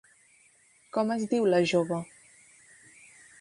Com es diu la jove?